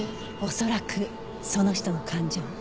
恐らくその人の感情。